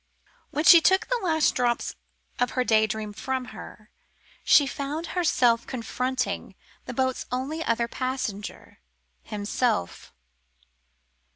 When she shook the last drops of the daydream from her, she found herself confronting the boat's only other passenger himself.